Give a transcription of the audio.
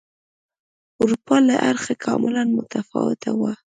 اروپا له اړخه کاملا متفاوته وه.